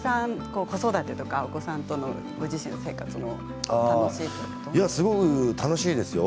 子育てとかお子さんとご自身の生活楽しいとか。